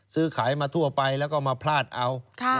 ซื้อขายมาทั่วไปแล้วก็มาพลาดเอา